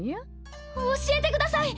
教えてください！